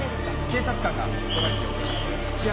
警察官がストライキを。